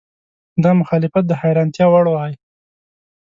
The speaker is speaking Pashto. دا مخالفت د حیرانتیا وړ وای.